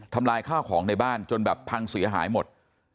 ลายข้าวของในบ้านจนแบบพังเสียหายหมด